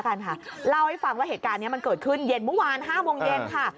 ก็เถาให้ฟังว่าเหตุการณ์มันเกิดขึ้นเย็นมุมวาน๕โมงเย็นค่ะ